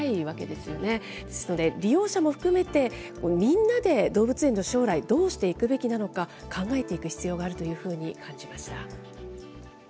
ですので、利用者も含めて、みんなで動物園の将来、どうしていくべきなのか、考えていく必要があるというふうに感じました。